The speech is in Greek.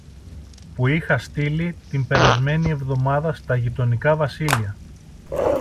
που είχα στείλει την περασμένη εβδομάδα στα γειτονικά βασίλεια